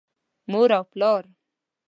مور او پلار